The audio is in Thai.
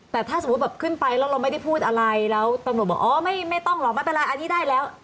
แต่ถ้าสมมุติแบบขึ้นไปแล้วเราไม่ได้พูดอะไรแล้วตำรวจบอกอ๋อไม่ต้องหรอกไม่เป็นไรอันนี้ได้แล้ว